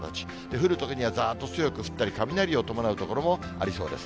降るときにはざーっと強く降ったり、雷を伴う所もありそうです。